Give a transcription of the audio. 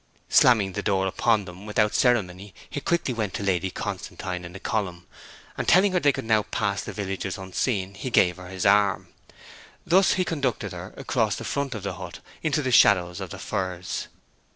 Slamming the door upon them without ceremony he quickly went to Lady Constantine in the column, and telling her they could now pass the villagers unseen he gave her his arm. Thus he conducted her across the front of the hut into the shadows of the firs.